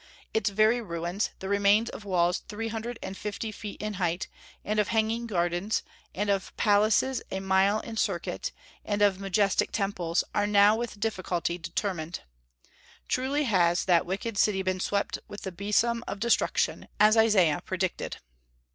Its very ruins, the remains of walls three hundred and fifty feet in height, and of hanging gardens, and of palaces a mile in circuit, and of majestic temples, are now with difficulty determined. Truly has that wicked city been swept with the besom of destruction, as Isaiah predicted.